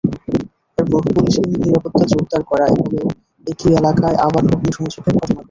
এরপর পুলিশি নিরাপত্তা জোরদার করা হলেও একই এলাকায় আবারও অগ্নিসংযোগের ঘটনা ঘটে।